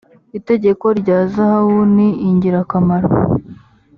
itegeko rya zahabu ni ingirakamaro